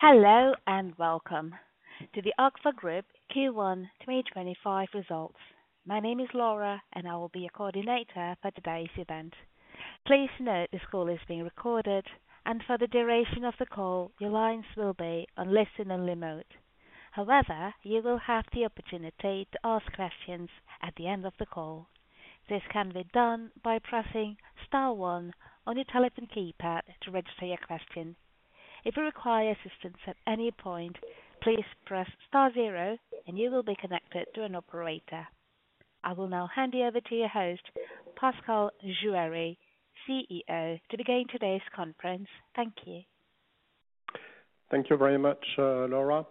Hello and welcome to the Agfa-Gevaert Q1 2025 results. My name is Laura, and I will be your coordinator for today's event. Please note this call is being recorded, and for the duration of the call, your lines will be on listen-only mode. However, you will have the opportunity to ask questions at the end of the call. This can be done by pressing star one on your telephone keypad to register your question. If you require assistance at any point, please press star zero, and you will be connected to an operator. I will now hand you over to your host, Pascal Juéry, CEO, to begin today's conference. Thank you. Thank you very much, Laura.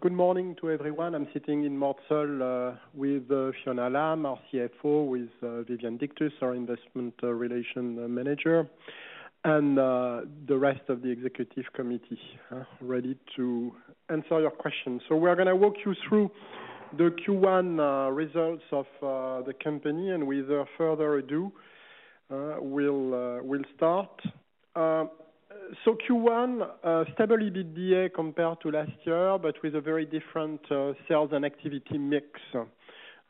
Good morning to everyone. I'm sitting in Mortsel with Fiona Lam, our CFO, with Viviane Dictus, our Investor Relations Manager, and the rest of the executive committee ready to answer your questions. We are going to walk you through the Q1 results of the company, and without further ado, we'll start. Q1 stably beat the year compared to last year, but with a very different sales and activity mix.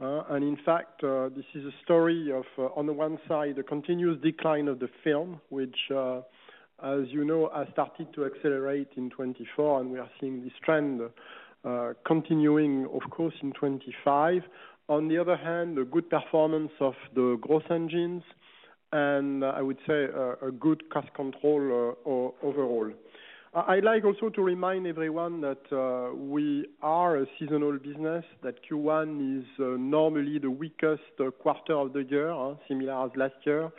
In fact, this is a story of, on the one side, the continuous decline of the film, which, as you know, has started to accelerate in 2024, and we are seeing this trend continuing, of course, in 2025. On the other hand, a good performance of the growth engines, and I would say a good cost control overall. I'd like also to remind everyone that we are a seasonal business, that Q1 is normally the weakest quarter of the year, similar as last year.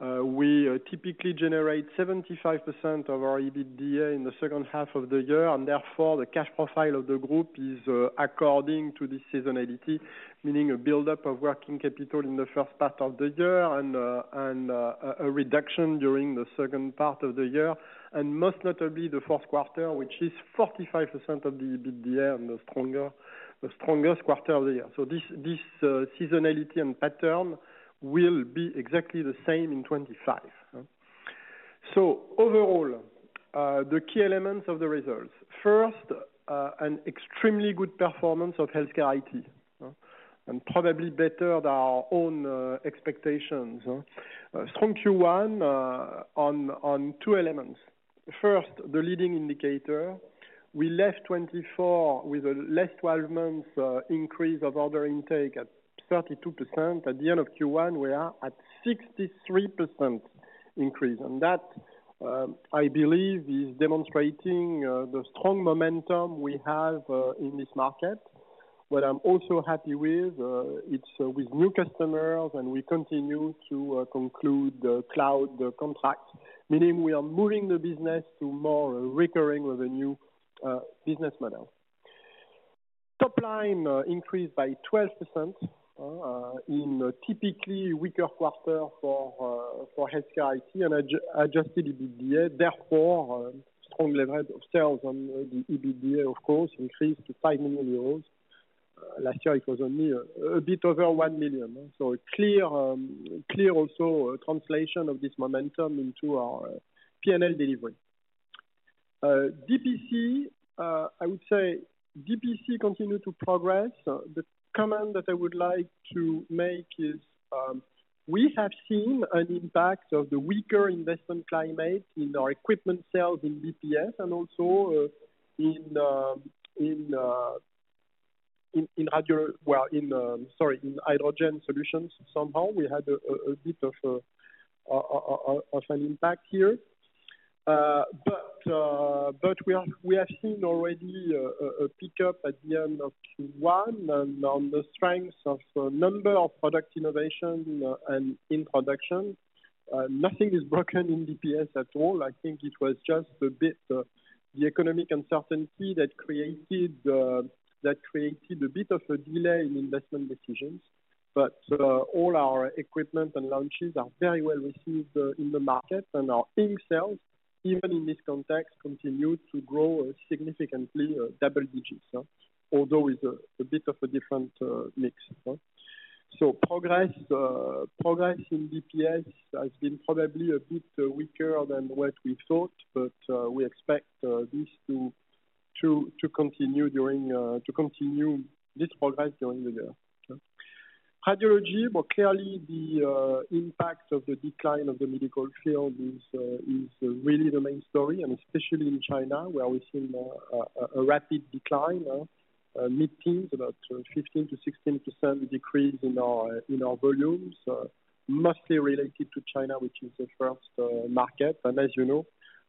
We typically generate 75% of our EBITDA in the second half of the year, and therefore the cash profile of the group is according to this seasonality, meaning a build-up of working capital in the first part of the year and a reduction during the second part of the year, and most notably the fourth quarter, which is 45% of the EBITDA and the strongest quarter of the year. This seasonality and pattern will be exactly the same in 2025. Overall, the key elements of the results. First, an extremely good performance of healthcare IT, and probably better than our own expectations. Strong Q1 on two elements. First, the leading indicator. We left 2024 with a less than 12 months increase of order intake at 32%. At the end of Q1, we are at 63% increase, and that, I believe, is demonstrating the strong momentum we have in this market. What I'm also happy with, it's with new customers, and we continue to conclude cloud contracts, meaning we are moving the business to more recurring revenue business model. Top line increased by 12% in a typically weaker quarter for healthcare IT and adjusted EBITDA. Therefore, strong leverage of sales on the EBITDA, of course, increased to 5 million euros. Last year, it was only a bit over 1 million. So a clear also translation of this momentum into our P&L delivery. DPC, I would say DPC continued to progress. The comment that I would like to make is we have seen an impact of the weaker investment climate in our equipment sales in DPS and also in hydrogen solutions. Somehow, we had a bit of an impact here. We have seen already a pickup at the end of Q1 and on the strength of number of product innovation and in production. Nothing is broken in DPS at all. I think it was just a bit the economic uncertainty that created a bit of a delay in investment decisions. All our equipment and launches are very well received in the market, and our ink sales, even in this context, continued to grow significantly, double digits, although with a bit of a different mix. Progress in DPS has been probably a bit weaker than what we thought, but we expect this to continue this progress during the year. Cardiology, clearly the impact of the decline of the medical field is really the main story, and especially in China, where we've seen a rapid decline, mid-teens, about 15%-16% decrease in our volumes, mostly related to China, which is the first market. As you know,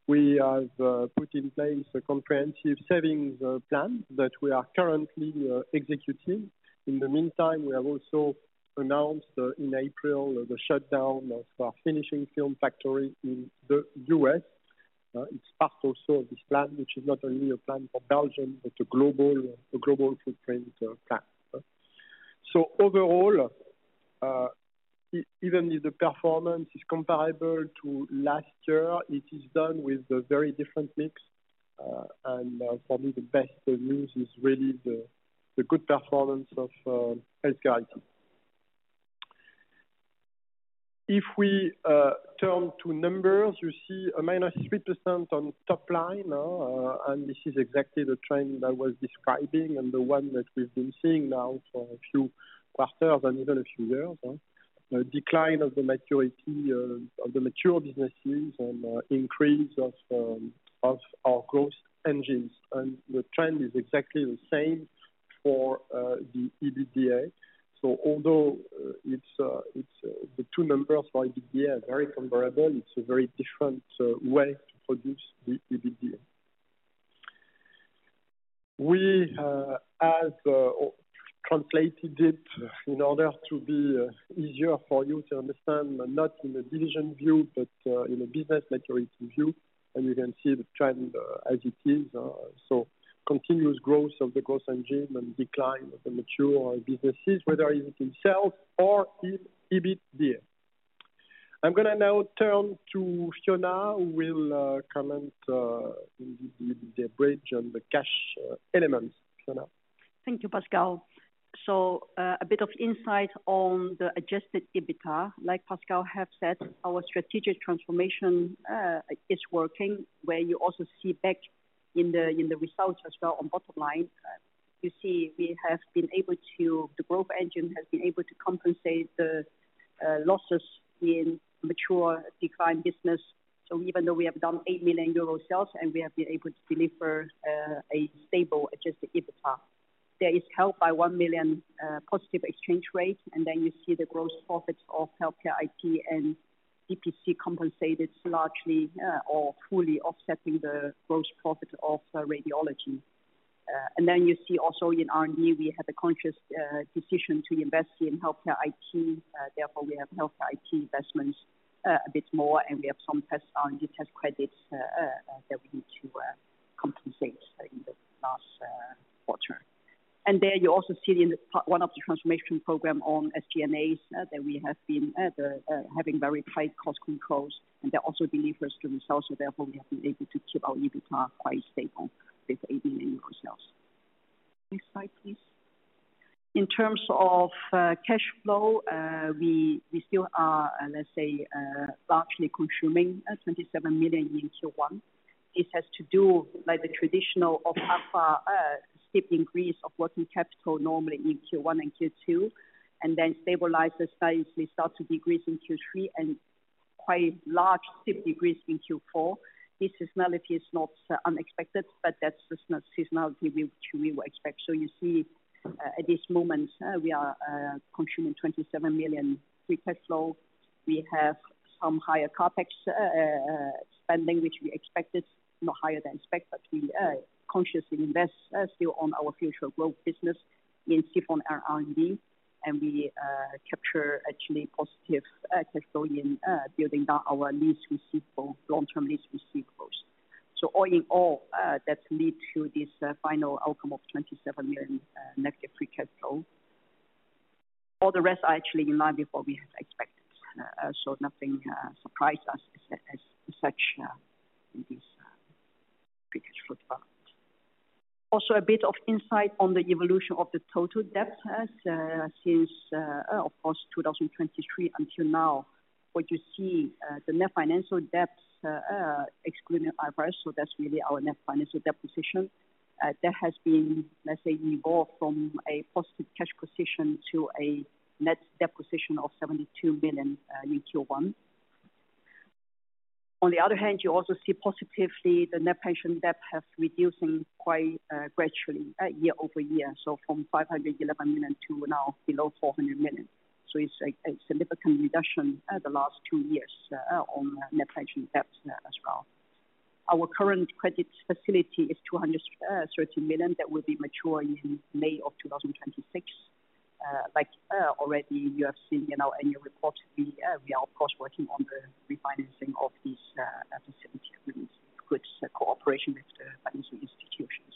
we have put in place a comprehensive savings plan that we are currently executing. In the meantime, we have also announced in April the shutdown of our finishing film factory in the U.S. It is part also of this plan, which is not only a plan for Belgium, but a global footprint plan. Overall, even if the performance is comparable to last year, it is done with a very different mix, and for me, the best news is really the good performance of healthcare IT. If we turn to numbers, you see a -3% on top line, and this is exactly the trend that I was describing and the one that we've been seeing now for a few quarters and even a few years. Decline of the maturity of the mature businesses and increase of our growth engines. The trend is exactly the same for the EBITDA. Although the two numbers for EBITDA are very comparable, it's a very different way to produce the EBITDA. We have translated it in order to be easier for you to understand, not in a division view, but in a business maturity view, and you can see the trend as it is. Continuous growth of the growth engine and decline of the mature businesses, whether it's in sales or in EBITDA. I'm going to now turn to Fiona, who will comment in the bridge on the cash elements. Thank you, Pascal. A bit of insight on the adjusted EBITDA. Like Pascal has said, our strategic transformation is working, where you also see back in the results as well on bottom line. You see we have been able to, the growth engine has been able to compensate the losses in mature declined business. Even though we have done 8 million euro sales, we have been able to deliver a stable adjusted EBITDA. There is help by 1 million positive exchange rate, and you see the gross profits of healthcare IT and DPC compensated largely or fully offsetting the gross profit of radiology. You see also in R&D, we have a conscious decision to invest in healthcare IT. Therefore, we have healthcare IT investments a bit more, and we have some test R&D test credits that we need to compensate in the last quarter. There you also see one of the transformation programs on SG&A that we have been having very tight cost controls, and they also deliver us the results. Therefore, we have been able to keep our EBITDA quite stable with 8 million sales. Next slide, please. In terms of cash flow, we still are, let's say, largely consuming 27 million in Q1. This has to do with the traditional steep increase of working capital normally in Q1 and Q2, and then stabilizes nicely, starts to decrease in Q3, and quite large steep decrease in Q4. This seasonality is not unexpected, but that's the seasonality which we will expect. You see at this moment, we are consuming 27 million. We have some higher CapEx spending, which we expected, not higher than expected, but we consciously invest still on our future growth business in ZIRFON and R&D, and we capture actually positive cash flow in building down our lease receipt for long-term lease receipt flows. All in all, that leads to this final outcome of 27 million negative free cash flow. All the rest are actually in line with what we had expected. Nothing surprised us as such in this free cash flow development. Also a bit of insight on the evolution of the total debt since, of course, 2023 until now. What you see, the net financial debt excluding IRS, so that's really our net financial debt position, that has been, let's say, evolved from a positive cash position to a net debt position of 72 million in Q1. On the other hand, you also see positively the net pension debt has reducing quite gradually year over year, so from 511 million to now below 400 million. It is a significant reduction the last two years on net pension debt as well. Our current credit facility is 230 million that will be matured in May of 2026. Like already you have seen in our annual report, we are, of course, working on the refinancing of this facility agreement with good cooperation with the financing institutions.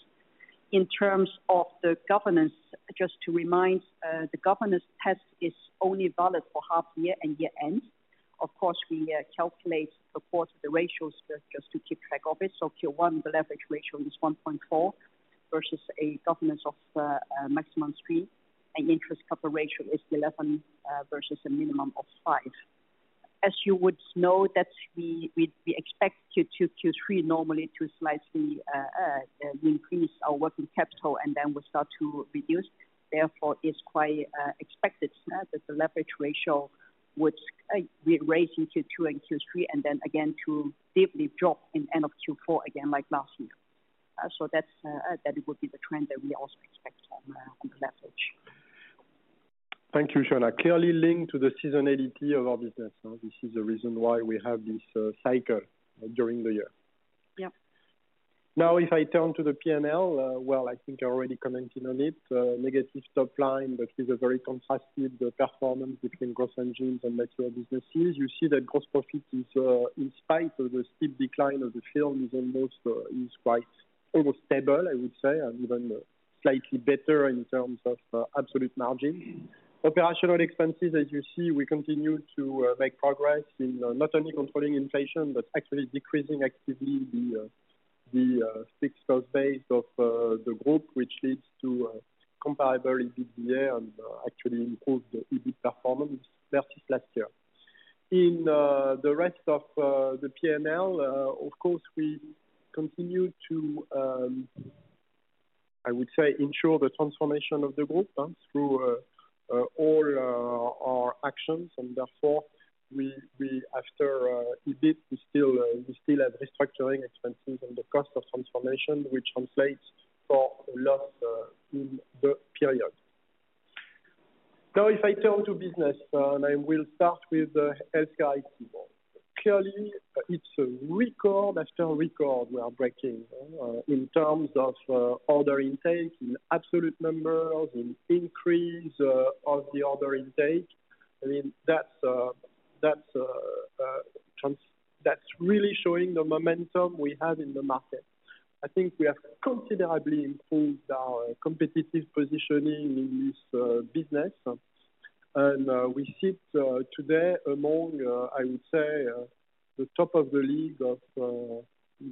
In terms of the governance, just to remind, the governance test is only valid for half year and year end. Of course, we calculate the quarterly ratios just to keep track of it. Q1, the leverage ratio is 1.4 versus a governance of maximum 3, and interest cover ratio is 11 versus a minimum of 5. As you would know, that we expect Q2, Q3 normally to slightly increase our working capital, and then we start to reduce. Therefore, it's quite expected that the leverage ratio would raise in Q2 and Q3, and then again to deeply drop in end of Q4 again like last year. That would be the trend that we also expect on the leverage. Thank you, Fiona. Clearly linked to the seasonality of our business. This is the reason why we have this cycle during the year. Yep. Now, if I turn to the P&L, I think I already commented on it, negative top line, but with a very contrasted performance between growth engines and mature businesses. You see that gross profit is, in spite of the steep decline of the film, almost quite almost stable, I would say, and even slightly better in terms of absolute margin. Operational expenses, as you see, we continue to make progress in not only controlling inflation, but actually decreasing actively the fixed cost base of the group, which leads to comparable EBITDA and actually improved EBIT performance versus last year. In the rest of the P&L, of course, we continue to, I would say, ensure the transformation of the group through all our actions, and therefore, after EBIT, we still have restructuring expenses and the cost of transformation, which translates for a loss in the period. Now, if I turn to business, and I will start with the healthcare IT. Clearly, it's a record after record we are breaking in terms of order intake in absolute numbers, in increase of the order intake. I mean, that's really showing the momentum we have in the market. I think we have considerably improved our competitive positioning in this business, and we sit today among, I would say, the top of the league of the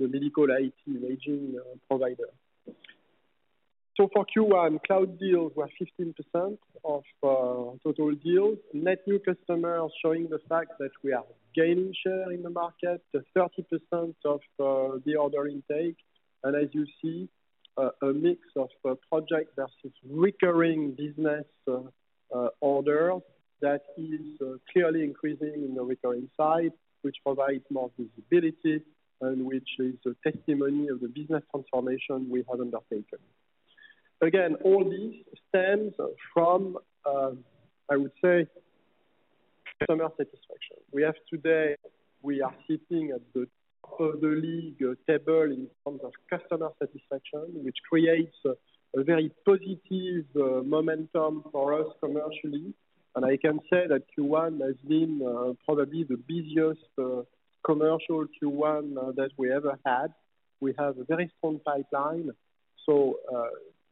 medical IT and aging provider. So for Q1, cloud deals were 15% of total deals, net new customers showing the fact that we are gaining share in the market, 30% of the order intake, and as you see, a mix of project versus recurring business orders that is clearly increasing in the recurring side, which provides more visibility and which is a testimony of the business transformation we have undertaken. Again, all this stems from, I would say, customer satisfaction. We have today, we are sitting at the top of the league table in terms of customer satisfaction, which creates a very positive momentum for us commercially, and I can say that Q1 has been probably the busiest commercial Q1 that we ever had. We have a very strong pipeline.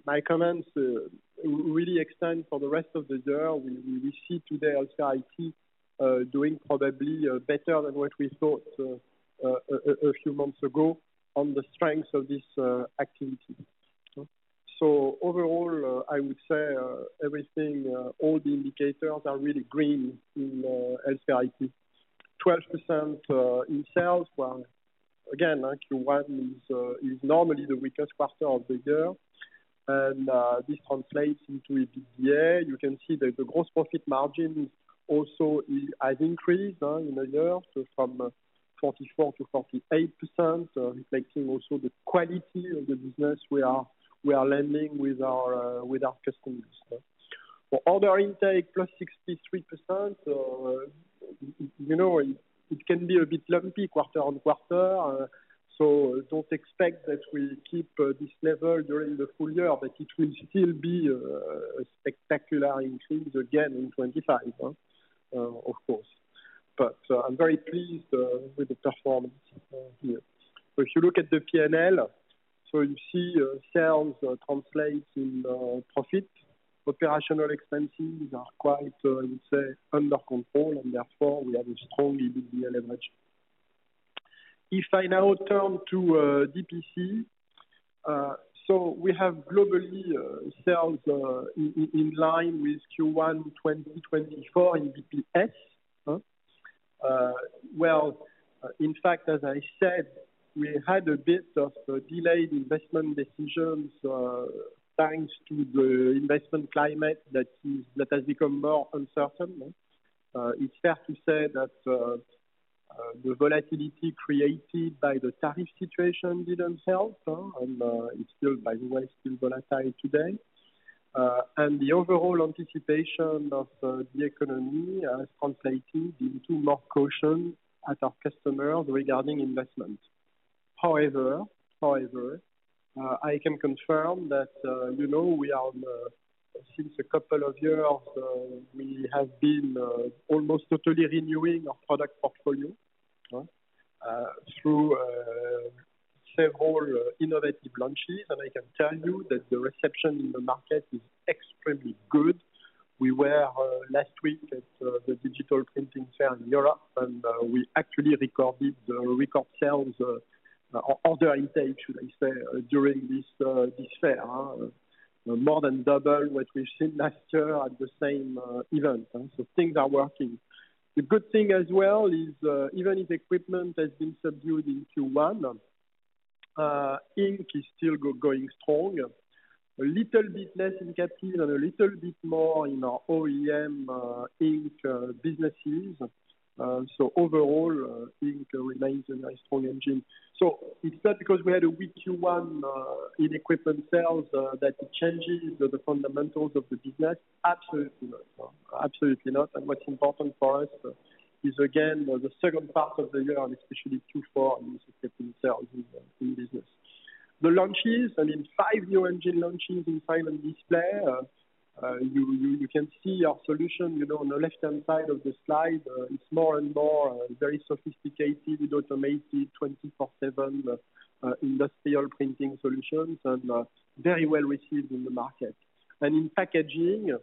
My comments really extend for the rest of the year. We see today healthcare IT doing probably better than what we thought a few months ago on the strength of this activity. Overall, I would say everything, all the indicators are really green in healthcare IT. 12% in sales, again, Q1 is normally the weakest quarter of the year, and this translates into EBITDA. You can see that the gross profit margins also have increased in a year from 44% to 48%, reflecting also the quality of the business we are lending with our customers. For order intake, +63%. You know, it can be a bit lumpy quarter-on-quarter, so don't expect that we keep this level during the full year, but it will still be a spectacular increase again in 2025, of course. I'm very pleased with the performance here. If you look at the P&L, you see sales translate in profit. Operational expenses are quite, I would say, under control, and therefore we have a strong EBITDA leverage. If I now turn to DPC, we have globally sales in line with Q1 2024 in BPS. In fact, as I said, we had a bit of delayed investment decisions thanks to the investment climate that has become more uncertain. It's fair to say that the volatility created by the tariff situation did not help, and it is still, by the way, still volatile today. The overall anticipation of the economy has translated into more caution at our customers regarding investment. However, I can confirm that we are, since a couple of years, we have been almost totally renewing our product portfolio through several innovative launches, and I can tell you that the reception in the market is extremely good. We were last week at the digital printing fair in Europe, and we actually recorded record sales or order intake, should I say, during this fair. More than double what we have seen last year at the same event. Things are working. The good thing as well is even if equipment has been subdued in Q1, ink is still going strong. A little bit less in captive and a little bit more in our OEM ink businesses. Overall, ink remains a very strong engine. It is not because we had a weak Q1 in equipment sales that it changes the fundamentals of the business. Absolutely not. Absolutely not. What is important for us is, again, the second part of the year, especially Q4, in sales in business. The launches, I mean, five new engine launches in silent display. You can see our solution on the left-hand side of the slide. It is more and more very sophisticated, automated 24/7 industrial printing solutions, and very well received in the market. In packaging,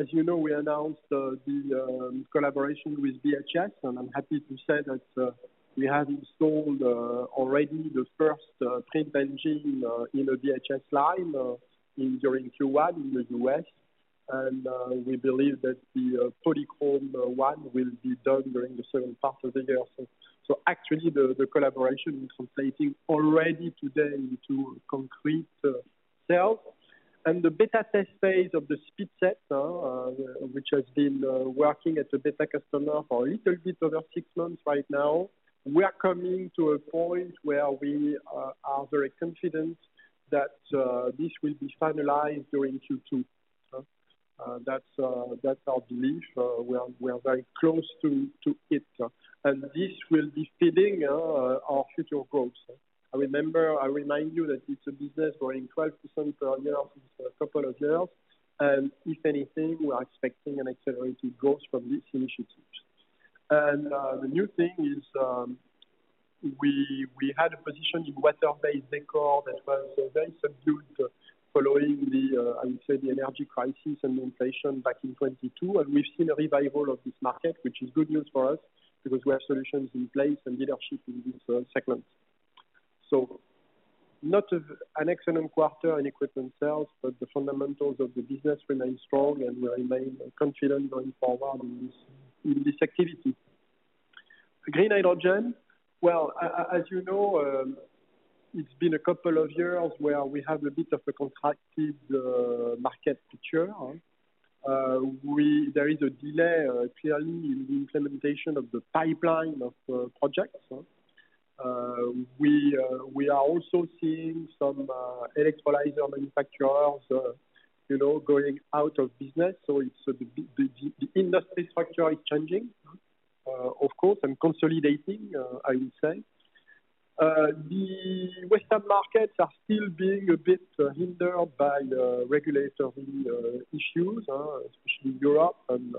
as you know, we announced the collaboration with BHS, and I'm happy to say that we have installed already the first print engine in a BHS line during Q1 in the U.S., and we believe that the polychrome one will be done during the second part of the year. Actually, the collaboration is translating already today into concrete sales. The beta test phase of the SpeedSet, which has been working at the beta customer for a little bit over six months right now, we are coming to a point where we are very confident that this will be finalized during Q2. That is our belief. We are very close to it, and this will be feeding our future growth. I remind you that it's a business growing 12% per year since a couple of years, and if anything, we are expecting an accelerated growth from this initiative. The new thing is we had a position in water-based decor that was very subdued following the, I would say, the energy crisis and the inflation back in 2022, and we've seen a revival of this market, which is good news for us because we have solutions in place and leadership in this segment. Not an excellent quarter in equipment sales, but the fundamentals of the business remain strong, and we remain confident going forward in this activity. Green hydrogen, as you know, it's been a couple of years where we have a bit of a contracted market picture. There is a delay clearly in the implementation of the pipeline of projects. We are also seeing some electrolyzer manufacturers going out of business, so the industry structure is changing, of course, and consolidating, I would say. The Western markets are still being a bit hindered by regulatory issues, especially Europe, and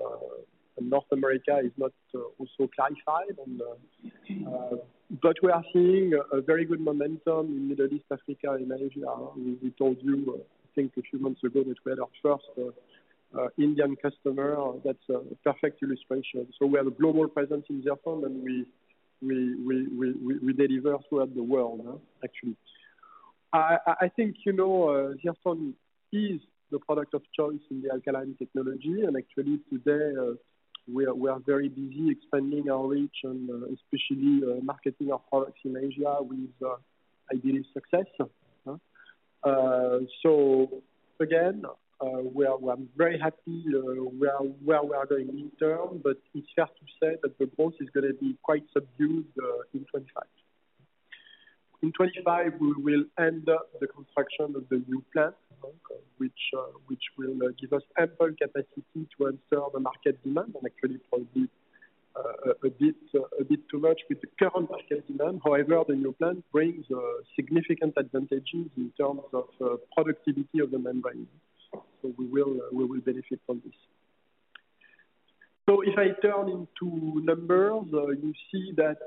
North America is not also clarified. We are seeing a very good momentum in Middle East, Africa, and Asia. We told you, I think, a few months ago that we had our first Indian customer. That is a perfect illustration. We have a global presence in ZIRFON, and we deliver throughout the world, actually. I think ZIRFON is the product of choice in the alkaline technology, and actually today we are very busy expanding our reach and especially marketing our products in Asia with, I believe, success. Again, we are very happy where we are going in term, but it's fair to say that the growth is going to be quite subdued in 2025. In 2025, we will end up the construction of the new plant, which will give us ample capacity to answer the market demand, and actually probably a bit too much with the current market demand. However, the new plant brings significant advantages in terms of productivity of the membrane. We will benefit from this. If I turn into numbers, you see that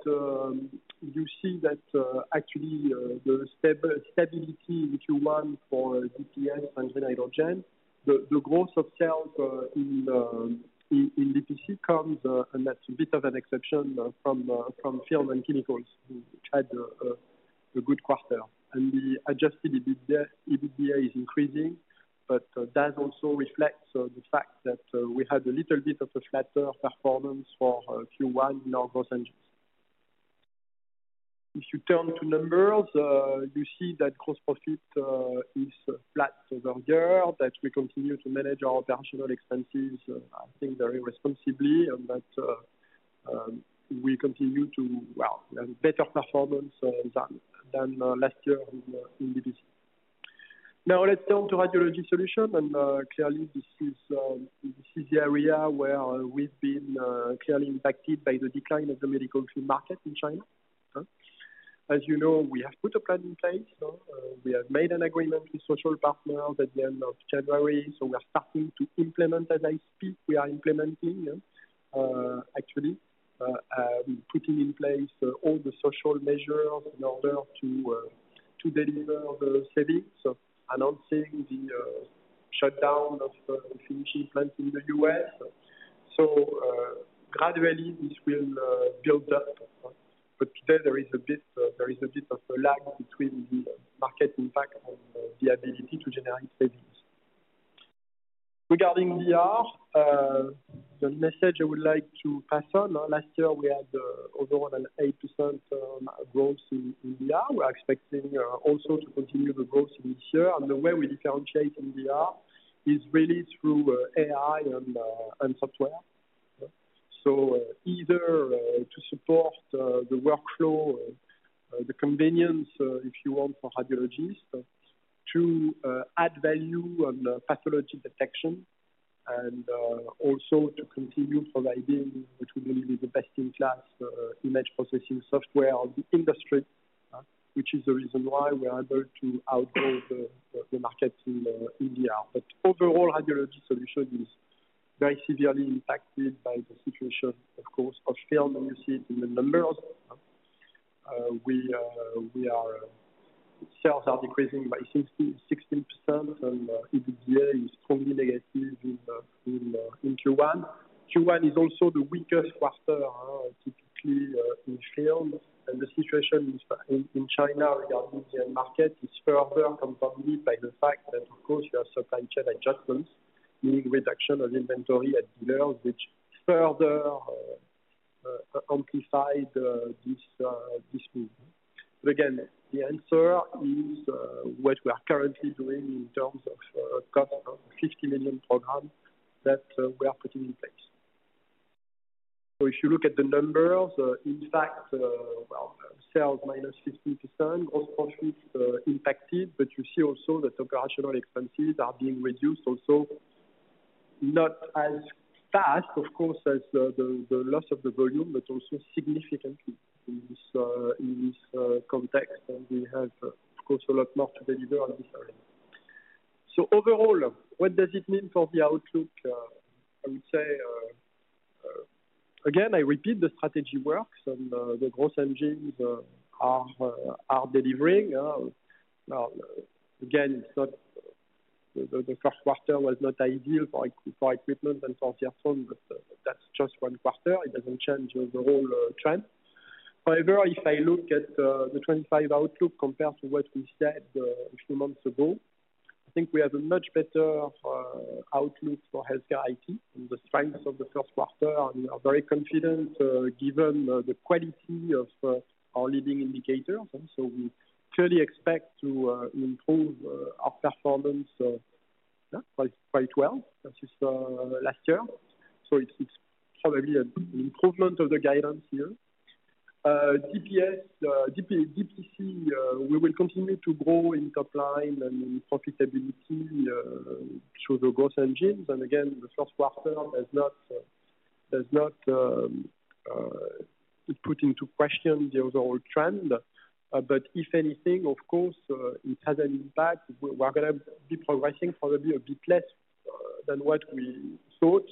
actually the stability in Q1 for BPS and green hydrogen, the growth of sales in DPC comes, and that's a bit of an exception from film and chemicals, which had a good quarter. The adjusted EBITDA is increasing, but that also reflects the fact that we had a little bit of a flatter performance for Q1 in our growth engines. If you turn to numbers, you see that gross profit is flat over year, that we continue to manage our operational expenses, I think, very responsibly, and that we continue to have better performance than last year in DPC. Now, let's turn to Radiology Solutions, and clearly this is the area where we've been clearly impacted by the decline of the medical film market in China. As you know, we have put a plan in place. We have made an agreement with social partners at the end of January, so we're starting to implement, as I speak, we are implementing, actually, putting in place all the social measures in order to deliver the savings, announcing the shutdown of finishing plants in the U.S. Gradually this will build up, but today there is a bit of a lag between the market impact and the ability to generate savings. Regarding VR, the message I would like to pass on, last year we had overall an 8% growth in VR. We are expecting also to continue the growth in this year, and the way we differentiate in VR is really through AI and software. Either to support the workflow, the convenience, if you want, for radiologists to add value on pathology detection and also to continue providing, which we believe is the best in class image processing software of the industry, which is the reason why we are able to outgrow the market in DR. Overall, Radiology Solutions is very severely impacted by the situation, of course, of film, and you see it in the numbers. Sales are decreasing by 16%, and EBITDA is strongly negative in Q1. Q1 is also the weakest quarter, typically in film, and the situation in China regarding the market is further compounded by the fact that, of course, you have supply chain adjustments, meaning reduction of inventory at dealers, which further amplified this move. Again, the answer is what we are currently doing in terms of cost, a 50 million program that we are putting in place. If you look at the numbers, in fact, sales -15%, gross profits impacted, but you see also that operational expenses are being reduced also, not as fast, of course, as the loss of the volume, but also significantly in this context, and we have, of course, a lot more to deliver on this area. Overall, what does it mean for the outlook? I would say, again, I repeat, the strategy works, and the growth engines are delivering. Again, the first quarter was not ideal for equipment and for ZIRFON, but that's just one quarter. It doesn't change the whole trend. However, if I look at the 2025 outlook compared to what we said a few months ago, I think we have a much better outlook for healthcare IT and the strength of the first quarter, and we are very confident given the quality of our leading indicators. We clearly expect to improve our performance quite well versus last year. It is probably an improvement of the guidance here. DPC, we will continue to grow in top line and in profitability through the growth engines, and again, the first quarter does not put into question the overall trend. If anything, of course, it has an impact. We are going to be progressing probably a bit less than what we thought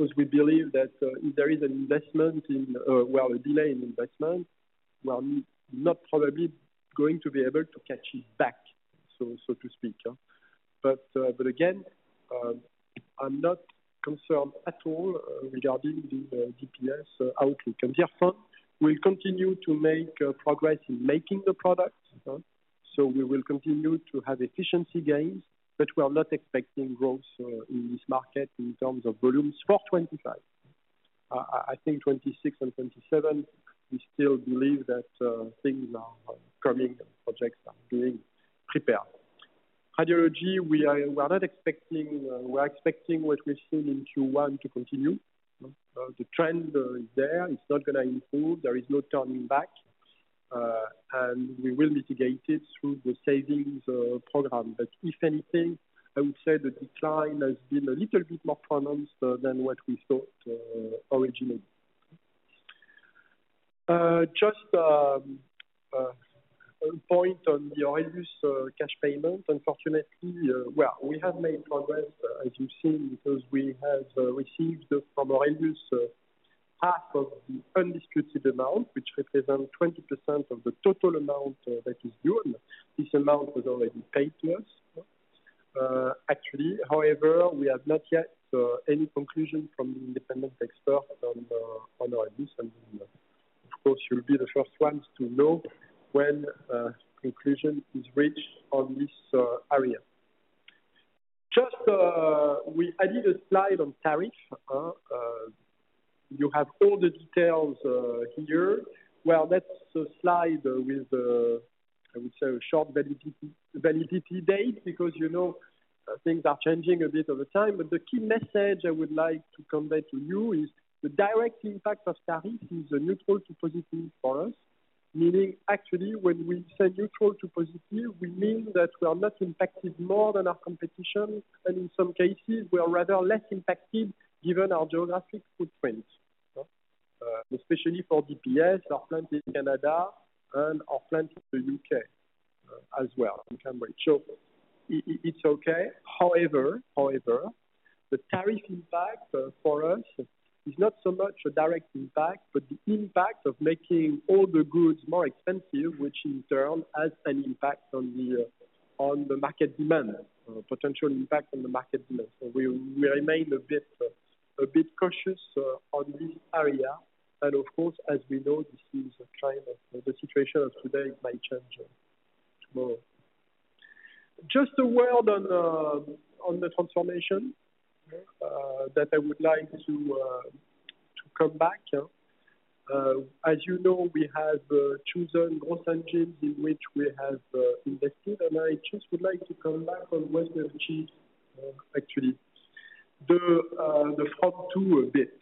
because we believe that if there is an investment in, a delay in investment, we are not probably going to be able to catch it back, so to speak. I'm not concerned at all regarding the DPS outlook. ZIRFON will continue to make progress in making the product, so we will continue to have efficiency gains, but we are not expecting growth in this market in terms of volumes for 2025. I think 2026 and 2027, we still believe that things are coming and projects are being prepared. Radiology, we are not expecting what we've seen in Q1 to continue. The trend is there. It's not going to improve. There is no turning back, and we will mitigate it through the savings program. If anything, I would say the decline has been a little bit more pronounced than what we thought originally. Just a point on the Aurelius cash payment. Unfortunately, we have made progress, as you've seen, because we have received from Aurelius half of the undisputed amount, which represents 20% of the total amount that is due. This amount was already paid to us, actually. However, we have not yet any conclusion from the independent expert on Aurelius, and of course, you'll be the first ones to know when conclusion is reached on this area. We added a slide on tariff. You have all the details here. That's a slide with, I would say, a short validity date because things are changing a bit over time. The key message I would like to convey to you is the direct impact of tariff is neutral to positive for us, meaning actually when we say neutral to positive, we mean that we are not impacted more than our competition, and in some cases, we are rather less impacted given our geographic footprint, especially for DPS, our plant in Canada, and our plant in the U.K. as well in Cambridge. It is okay. However, the tariff impact for us is not so much a direct impact, but the impact of making all the goods more expensive, which in turn has an impact on the market demand, potential impact on the market demand. We remain a bit cautious on this area, and of course, as we know, this is a kind of the situation of today might change tomorrow. Just a word on the transformation that I would like to come back. As you know, we have chosen growth engines in which we have invested, and I just would like to come back on Western Chief, actually, the front two a bit.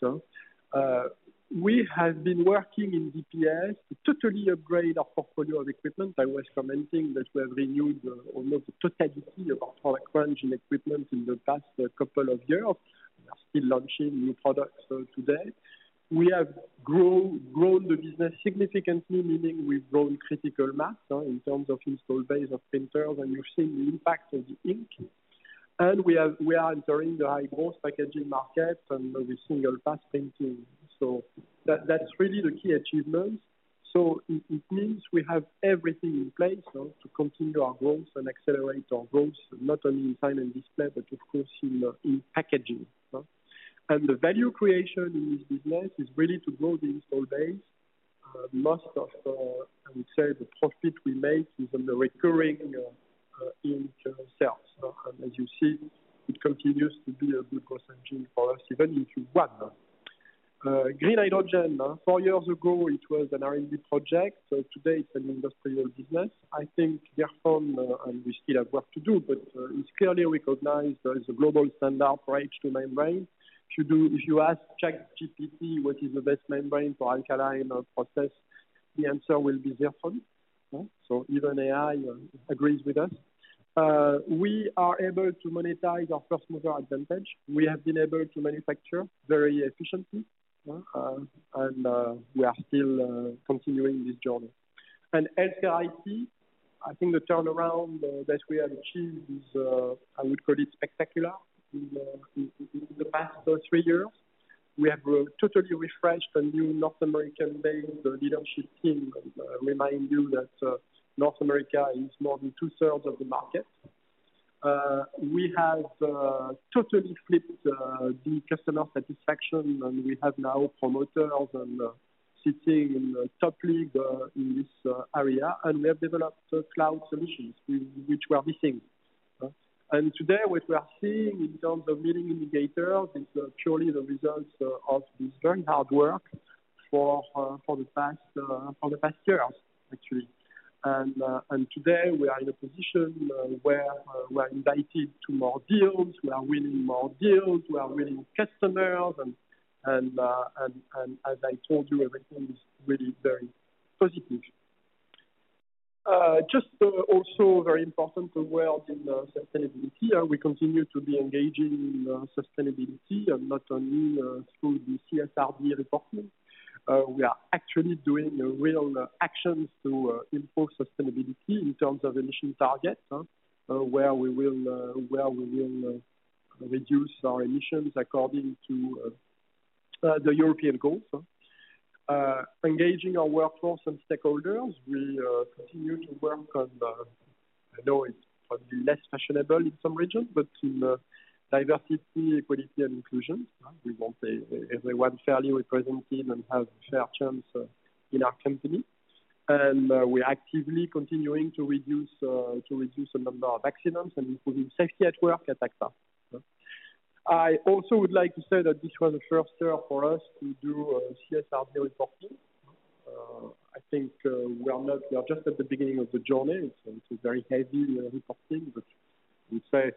We have been working in DPS to totally upgrade our portfolio of equipment. I was commenting that we have renewed almost the totality of our product range in equipment in the past couple of years. We are still launching new products today. We have grown the business significantly, meaning we've grown critical mass in terms of install base of printers, and you've seen the impact of the ink. We are entering the high-growth packaging market and the single-pass printing. That's really the key achievement. It means we have everything in place to continue our growth and accelerate our growth, not only in sign and display, but of course in packaging. The value creation in this business is really to grow the install base. Most of, I would say, the profit we make is on the recurring ink sales. As you see, it continues to be a good growth engine for us even in Q1. Green hydrogen, four years ago, it was an R&D project. Today, it's an industrial business. I think ZIRFON, and we still have work to do, but it's clearly recognized as a global standard for H2 membrane. If you ask ChatGPT what is the best membrane for alkaline process, the answer will be ZIRFON. Even AI agrees with us. We are able to monetize our first-mover advantage. We have been able to manufacture very efficiently, and we are still continuing this journey. In healthcare IT, I think the turnaround that we have achieved is, I would call it, spectacular in the past three years. We have totally refreshed a new North American-based leadership team. I remind you that North America is more than two-thirds of the market. We have totally flipped the customer satisfaction, and we have now promoters and are sitting in the top league in this area, and we have developed cloud solutions which were missing. Today, what we are seeing in terms of meeting indicators is purely the result of this very hard work for the past years, actually. Today, we are in a position where we are invited to more deals. We are winning more deals. We are winning customers, and as I told you, everything is really very positive. Just also very important word in sustainability. We continue to be engaging in sustainability, not only through the CSRD reporting. We are actually doing real actions to improve sustainability in terms of emission targets, where we will reduce our emissions according to the European goals. Engaging our workforce and stakeholders, we continue to work on, I know it's probably less fashionable in some regions, but in diversity, equality, and inclusion. We want everyone fairly represented and have a fair chance in our company. We are actively continuing to reduce the number of accidents and improving safety at work at Agfa. I also would like to say that this was a first year for us to do CSRD reporting. I think we are just at the beginning of the journey. It's a very heavy reporting, but we say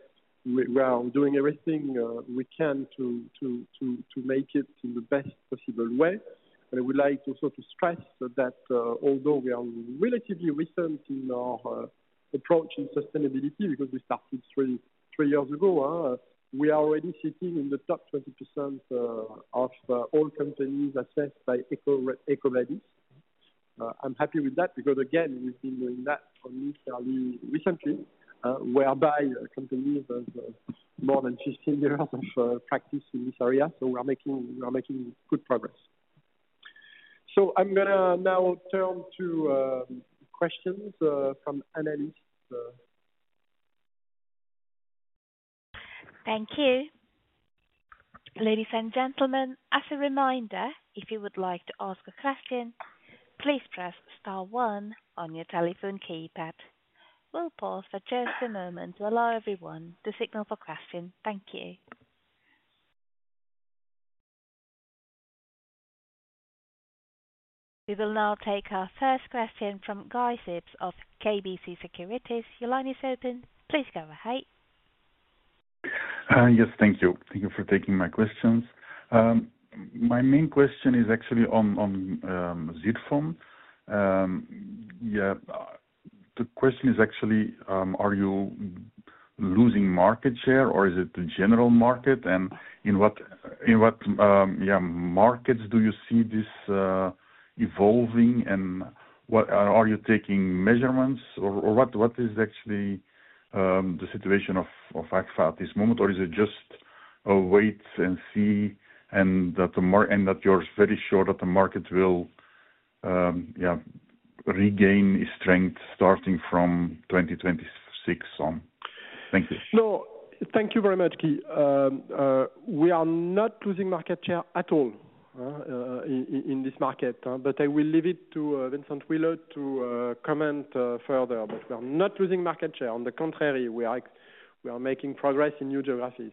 we are doing everything we can to make it in the best possible way. I would like also to stress that although we are relatively recent in our approach in sustainability, because we started three years ago, we are already sitting in the top 20% of all companies assessed by EcoVadis. I'm happy with that because, again, we've been doing that only fairly recently, whereby companies have more than 15 years of practice in this area. We are making good progress. I'm going to now turn to questions from analysts. Thank you. Ladies and gentlemen, as a reminder, if you would like to ask a question, please press star one on your telephone keypad. We'll pause for just a moment to allow everyone to signal for questions. Thank you. We will now take our first question from Guy Sips of KBC Securities. Your line is open. Please go ahead. Yes, thank you. Thank you for taking my questions. My main question is actually on ZIRFON. Yeah, the question is actually, are you losing market share or is it the general market? In what markets do you see this evolving, and are you taking measurements, or what is actually the situation of Agfa at this moment, or is it just a wait and see and that you're very sure that the market will regain strength starting from 2026 on? Thank you. No, thank you very much, Guy. We are not losing market share at all in this market. I will leave it to Vincent Wille to comment further. We are not losing market share. On the contrary, we are making progress in new geographies.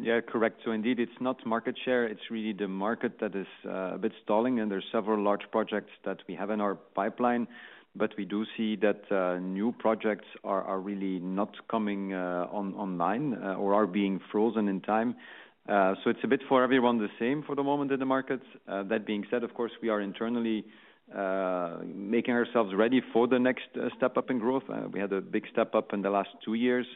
Yeah, correct. So indeed, it's not market share. It's really the market that is a bit stalling, and there are several large projects that we have in our pipeline, but we do see that new projects are really not coming online or are being frozen in time. It's a bit for everyone the same for the moment in the markets. That being said, of course, we are internally making ourselves ready for the next step up in growth. We had a big step up in the last two years.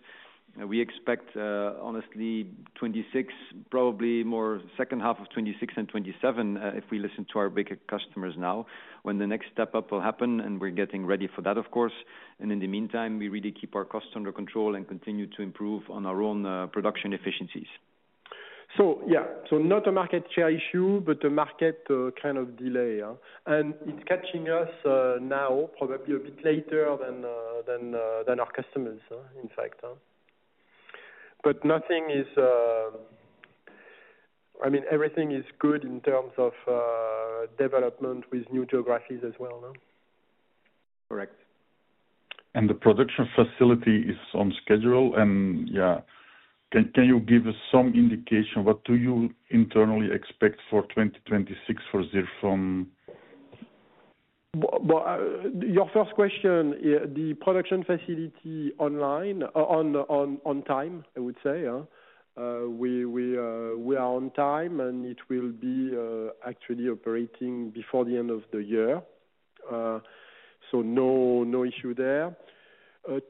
We expect, honestly, 2026, probably more second half of 2026 and 2027 if we listen to our big customers now when the next step up will happen, and we're getting ready for that, of course. In the meantime, we really keep our costs under control and continue to improve on our own production efficiencies. Yeah, not a market share issue, but a market kind of delay. And it's catching us now, probably a bit later than our customers, in fact. But nothing is, I mean, everything is good in terms of development with new geographies as well. Correct. The production facility is on schedule. Yeah, can you give us some indication? What do you internally expect for 2026 for ZIRFON? Your first question, the production facility on time, I would say. We are on time, and it will be actually operating before the end of the year. No issue there.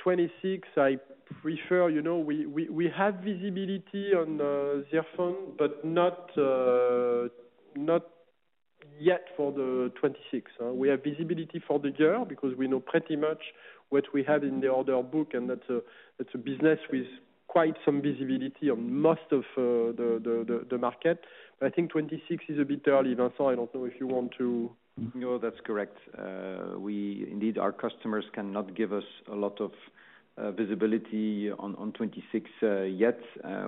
Twenty-six, I prefer, you know, we have visibility on ZIRFON, but not yet for the 2026. We have visibility for the year because we know pretty much what we have in the order book, and that's a business with quite some visibility on most of the market. I think twenty-six is a bit early. Vincent, I don't know if you want to. No, that's correct. Indeed, our customers cannot give us a lot of visibility on 2026 yet.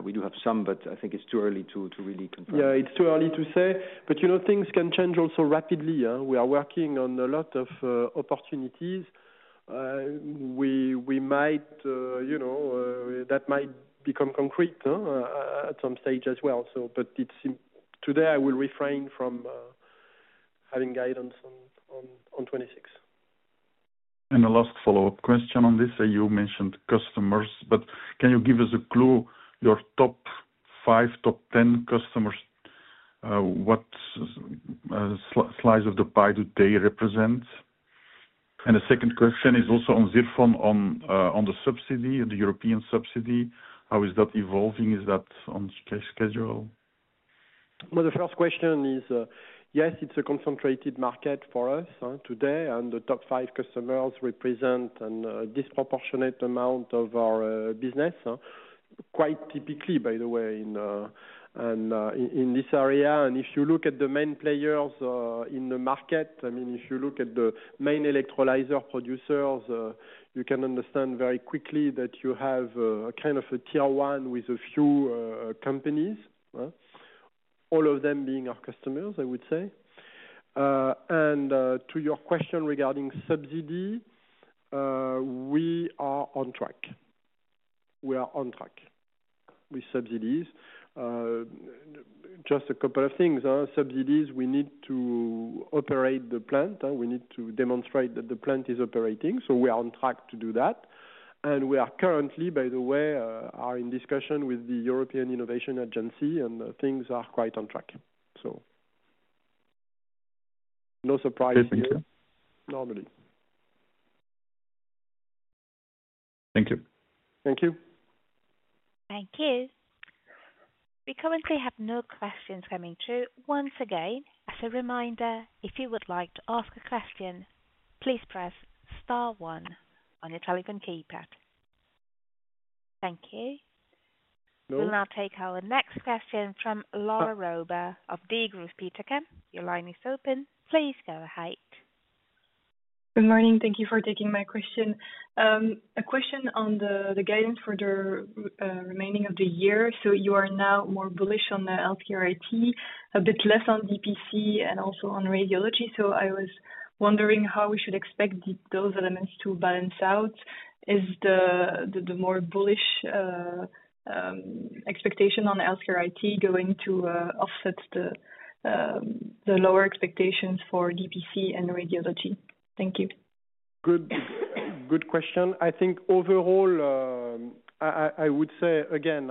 We do have some, but I think it's too early to really confirm. Yeah, it's too early to say. You know, things can change also rapidly. We are working on a lot of opportunities. We might, you know, that might become concrete at some stage as well. Today, I will refrain from having guidance on 2026. The last follow-up question on this, you mentioned customers, but can you give us a clue? Your top five, top ten customers, what slice of the pie do they represent? The second question is also on ZIRFON, on the subsidy, the European subsidy, how is that evolving? Is that on schedule? Yes, it's a concentrated market for us today, and the top five customers represent a disproportionate amount of our business, quite typically, by the way, in this area. If you look at the main players in the market, I mean, if you look at the main electrolyzer producers, you can understand very quickly that you have kind of a tier one with a few companies, all of them being our customers, I would say. To your question regarding subsidy, we are on track. We are on track with subsidies. Just a couple of things. Subsidies, we need to operate the plant. We need to demonstrate that the plant is operating. We are on track to do that. We are currently, by the way, in discussion with the European Innovation Agency, and things are quite on track. No surprise. Thank you. Normally. Thank you. Thank you. Thank you. We currently have no questions coming through. Once again, as a reminder, if you would like to ask a question, please press star one on your telephone keypad. Thank you. We'll now take our next question from Laura Roba of Degroof Petercam. Your line is open. Please go ahead. Good morning. Thank you for taking my question. A question on the guidance for the remaining of the year. You are now more bullish on the healthcare IT, a bit less on DPC and also on radiology. I was wondering how we should expect those elements to balance out. Is the more bullish expectation on healthcare IT going to offset the lower expectations for DPC and radiology? Thank you. Good question. I think overall, I would say, again,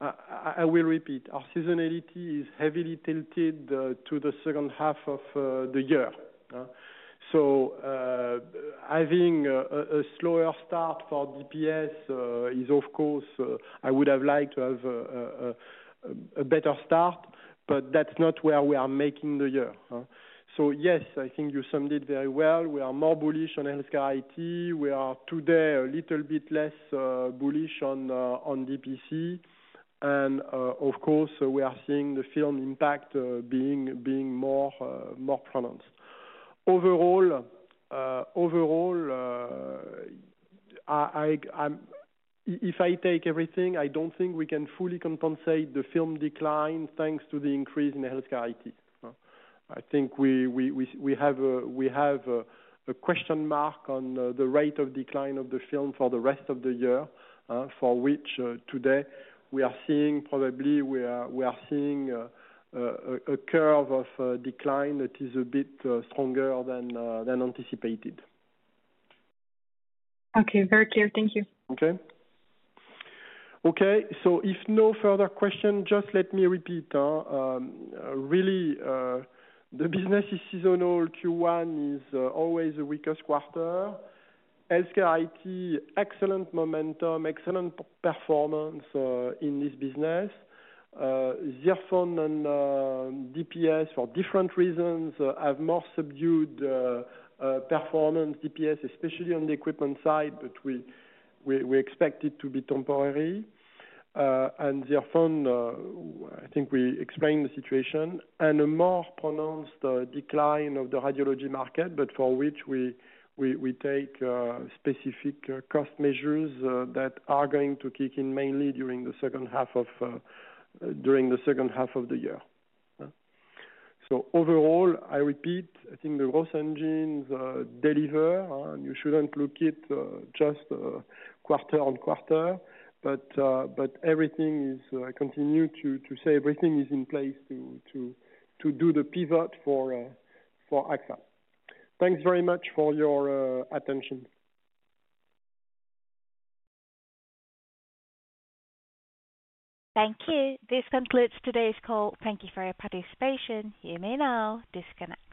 I will repeat, our seasonality is heavily tilted to the second half of the year. Having a slower start for DPS is, of course, I would have liked to have a better start, but that's not where we are making the year. Yes, I think you summed it very well. We are more bullish on healthcare IT. We are today a little bit less bullish on DPC. Of course, we are seeing the film impact being more pronounced. Overall, if I take everything, I don't think we can fully compensate the film decline thanks to the increase in healthcare IT. I think we have a question mark on the rate of decline of the film for the rest of the year, for which today we are seeing, probably we are seeing a curve of decline that is a bit stronger than anticipated. Okay, very clear. Thank you. Okay. Okay, if no further question, just let me repeat. Really, the business is seasonal. Q1 is always a weaker quarter. HealthCare IT, excellent momentum, excellent performance in this business. ZIRFON and DPS, for different reasons, have more subdued performance, DPS especially on the equipment side, but we expect it to be temporary. And ZIRFON, I think we explained the situation, and a more pronounced decline of the radiology market, but for which we take specific cost measures that are going to kick in mainly during the second half of the year. Overall, I repeat, I think the growth engines deliver. You should not look at just quarter on quarter, but everything is, I continue to say, everything is in place to do the pivot for Agfa. Thanks very much for your attention. Thank you. This concludes today's call. Thank you for your participation. You may now disconnect.